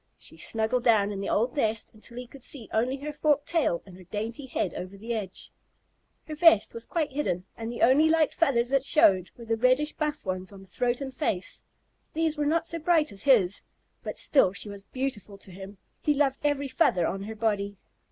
She snuggled down in the old nest until he could see only her forked tail and her dainty head over the edge. Her vest was quite hidden, and the only light feathers that showed were the reddish buff ones on throat and face; these were not so bright as his, but still she was beautiful to him. He loved every feather on her body.